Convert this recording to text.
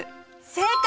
正解！